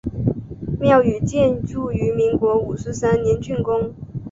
庙宇建筑于民国五十三年竣工。